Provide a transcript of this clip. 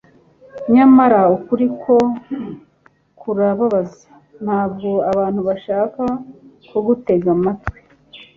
nyamara ukuri ko kurababaza, ntabwo abantu bashaka kugutega amatwi.